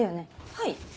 はい。